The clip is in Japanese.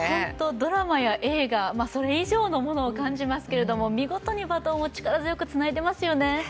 ドラマや映画、それ以上のものを感じますけど見事にバトンを力強くつないでますよね。